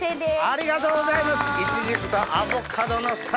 ありがとうございます！